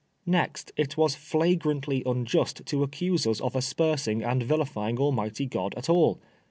Next, it was flagrantly nnjnst to accuse ns of aspersing and vilifying Almighty God at all.